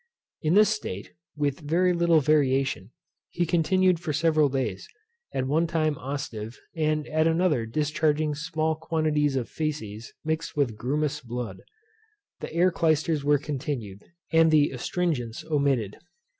In this state, with very little variation, he continued for several days; at one time ostive, and at another discharging small quantities of fæces, mixed with grumous blood. The air clysters were continued, and the astringents omitted.